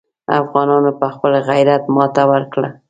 افغانانو په خپل غیرت ماته ورکړه.